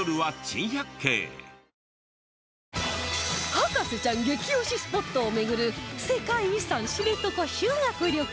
博士ちゃん激推しスポットを巡る世界遺産知床修学旅行